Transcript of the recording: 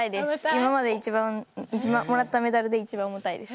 今までもらったメダルで一番重たいです。